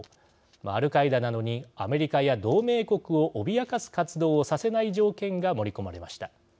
アルカイダなどにアメリカや同盟国を脅かす活動をさせない条件が盛り込まれました。